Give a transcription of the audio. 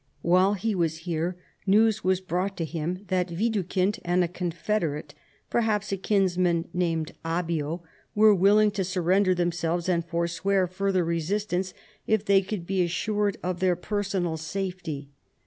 While he was here news was brought to him that Widukind and a confederate, perhaps a kinsman, named Abbio were willing to surrender themselves and forswear further resistance if they could be assured of their personal safety.